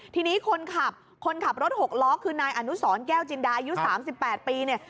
ทีนี้คนขับคนขับรถหกล้อคือนายอนุสรแก้วจินดาอายุ๓๘ปีเนี่ย